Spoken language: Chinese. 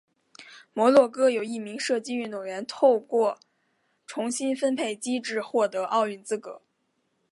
摩洛哥有一名射击运动员透过重新分配机制获得奥运资格。